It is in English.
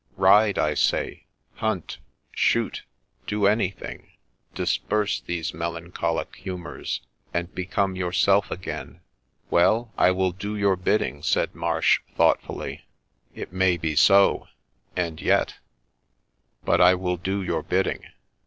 Ride, I say, hunt, shoot, do anything, — disperse these melan cholic humours, and become yourself again.' ' Well, I will do your bidding,' said Marsh, thoughtfully. ' It THE LEECH OF FOLKESTONE 73 may be so ; and yet, — but I will do your bidding.